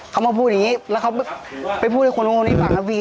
เขามาพูดอย่างงี้แล้วเขาไปพูดกับคนโง่นี้บางนาวี